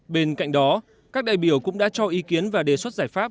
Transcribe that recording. bên cạnh đó các đại biểu cũng đã cho ý kiến và đề xuất giải pháp